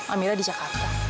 amira di jakarta